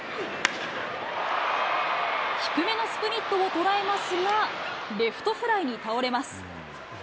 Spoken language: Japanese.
低めのスプリットを捉えますが、レフトフライに倒れます。